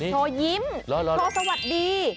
โชวยิ้มก็สวัสดี